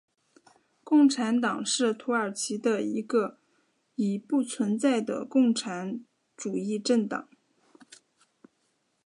共产党是土耳其的一个已不存在的共产主义政党。